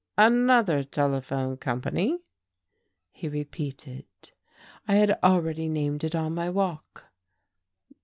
"Another telephone company!" he repeated. I had already named it on my walk.